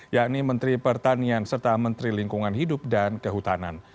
yakni menteri pertanian serta menteri lingkungan hidup dan kehutanan